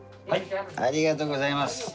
ありがとうございます。